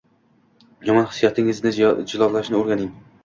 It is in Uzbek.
Yomon hissiyotingizni jilovlashni o’rganing